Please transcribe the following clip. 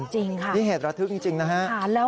จริงค่ะ